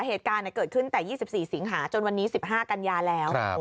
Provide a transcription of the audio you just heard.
เหตุการณ์เกิดขึ้นแต่๒๔สิงหาจนวันนี้๑๕กันยาแล้ว